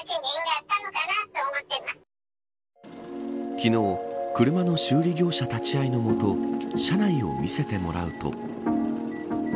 昨日、車の修理業者立ち会いの下車内を見せてもらうと。